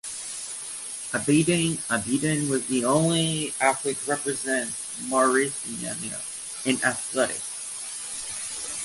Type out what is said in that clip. Abidine Abidine was the only athlete to represent Mauritania in athletics.